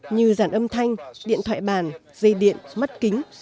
như giản âm thanh điện thoại bàn dây điện mắt kính